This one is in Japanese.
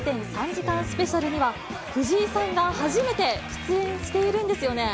３時間スペシャルには、藤井さんが初めて出演しているんですよね。